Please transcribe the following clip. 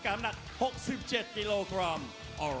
สำหรับทุกคนดีกว่า